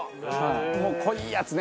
もう濃いやつね。